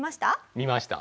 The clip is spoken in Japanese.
見ました。